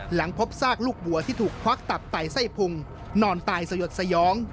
หลังพบซากลูกวัวที่ถูกควักตับไตไส้พุงนอนตายสยดสยอง